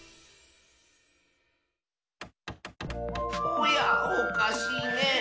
おやおかしいねえ。